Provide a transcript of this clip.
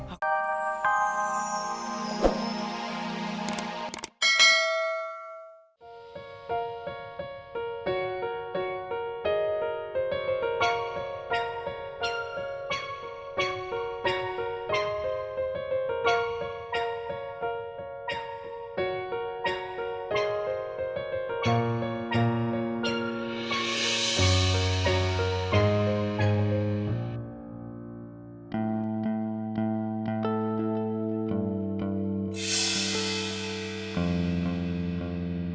aku mau berjalan